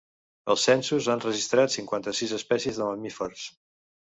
Els censos han registrat cinquanta-sis espècies de mamífers.